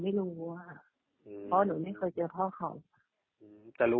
เพราะผมไม่เคยเจอพ่อเขา